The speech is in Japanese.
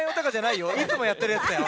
いつもやってるやつだよ。